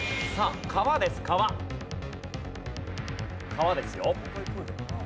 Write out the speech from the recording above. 川ですよ。